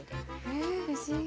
え不思議。